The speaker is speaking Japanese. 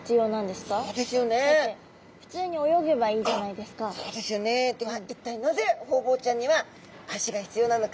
では一体なぜホウボウちゃんには足が必要なのか。